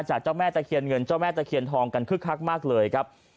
เจ้าแม่ตะเคียนเงินเจ้าแม่ตะเคียนทองกันคึกคักมากเลยครับ